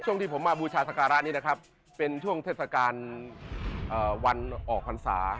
ที่ผมมาบูชาสการะนี้นะครับเป็นช่วงเทศกาลวันออกพรรษา